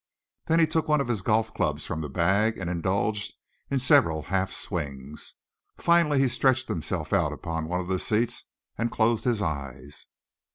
Then he took one of his golf clubs from the bag and indulged in several half swings. Finally he stretched himself out upon one of the seats and closed his eyes.